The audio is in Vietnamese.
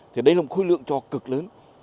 thì đây là một khối lượng cho cực lớn